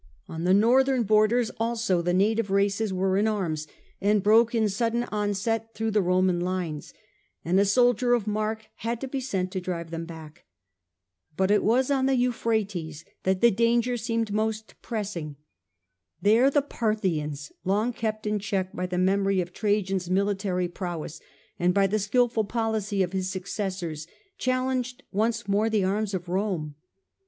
On the northern borders also the native races were in arms, and broke in sudden onset through the Roman lines, and a soldier of mark had to be sent to drive them back. But it was on the The danger Euphrates that the danger seemed most press on the ing. There the Parthians, long kept in check was most by the memory of Trajams military prowess, pressing. ^Yiq skilful policy of his successors, challenged once more the arms of Rome.